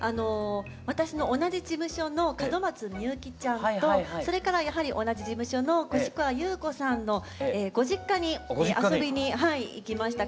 私の同じ事務所の門松みゆきちゃんとそれからやはり同じ事務所の越川ゆう子さんのご実家に遊びに行きました。